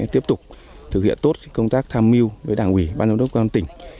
tiếp tục thực hiện tốt công tác tham mưu với đảng ủy ban giám đốc công an tỉnh